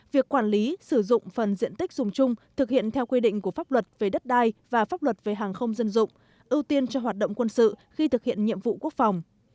việc quản lý sử dụng phần diện tích dùng chung thực hiện theo quy định của pháp luật về đất đai và pháp luật về hàng không dân dụng ưu tiên cho hoạt động quân sự khi thực hiện nhiệm vụ quốc phòng